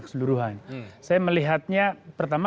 keseluruhan saya melihatnya pertama